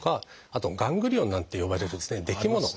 あと「ガングリオン」なんて呼ばれるできもの。